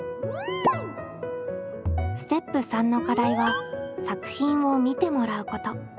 ステップ３の課題は「作品を見てもらう」こと。